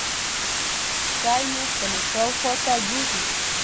سپی مې خپلې شاوخوا ته ګوري.